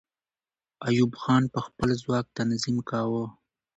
ایوب خان به خپل ځواک تنظیم کاوه.